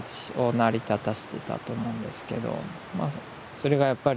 それがやっぱり